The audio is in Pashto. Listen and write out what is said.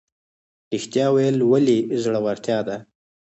ریښتیا ویل ولې زړورتیا ده؟